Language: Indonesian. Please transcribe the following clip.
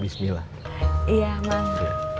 bismillah iya bang